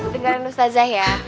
dengerin ustazah ya